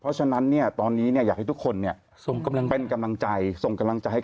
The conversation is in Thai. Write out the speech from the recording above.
เพราะฉะนั้นตอนนี้อยากให้ทุกคนเป็นกำลังใจ